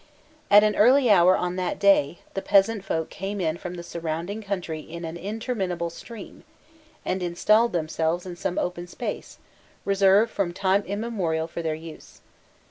At an early hour on that day, the peasant folk came in from the surrounding country in an interminable stream, and installed themselves in some open space, reserved from time immemorial for their use.